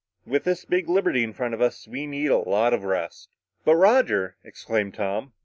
With this big liberty in front of us, we need a lot of rest." "But, Roger!" exclaimed Tom.